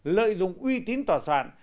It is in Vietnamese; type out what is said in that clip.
lợi dụng uy tín tòa soạn